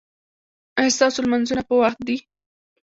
ایا ستاسو لمونځونه په وخت دي؟